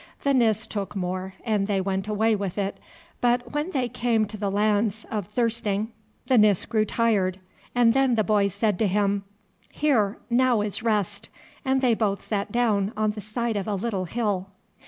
The Nis took more, and they went away with it, but when they came to the lands of Thyrsting, the Nis grew tired, and then the boy said to him "Here now is rest!" and they both sat down on the side of a little hill.